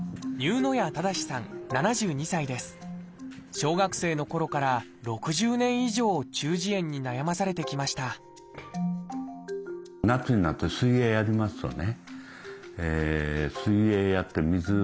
小学生のころから６０年以上中耳炎に悩まされてきました夏になると水泳やりますよね。